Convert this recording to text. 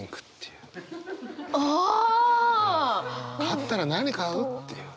「勝ったら何買う？」っていう。